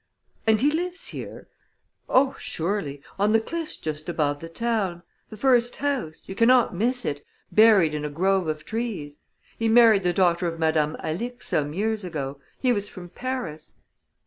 "And he lives here?" "Oh, surely; on the cliffs just above the town the first house you cannot miss it buried in a grove of trees. He married the daughter of Madame Alix some years ago he was from Paris."